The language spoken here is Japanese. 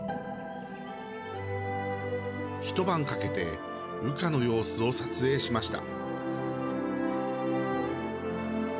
一晩かけて羽化の様子を撮影しました。